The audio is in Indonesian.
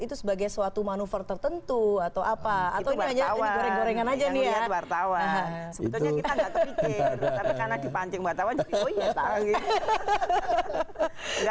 itu sebagai suatu manuver tertentu atau apa atau goreng gorengan aja nih